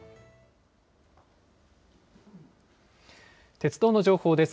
鉄道の情報です。